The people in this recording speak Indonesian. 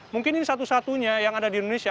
mungkin ini satu satunya yang ada di indonesia